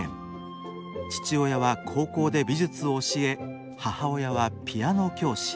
父親は高校で美術を教え母親はピアノ教師。